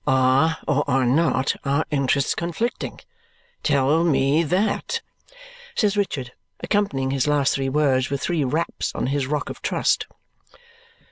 Are or are not our interests conflicting? Tell me that!" says Richard, accompanying his last three words with three raps on his rock of trust.